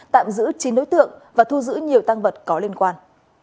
tạm giữ chín đối tượng và thu giữ nhiều tăng vật có liên quan